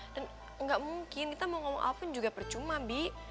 dan gak mungkin kita mau ngomong apa pun juga percuma bi